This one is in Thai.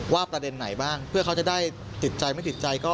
ประเด็นไหนบ้างเพื่อเขาจะได้ติดใจไม่ติดใจ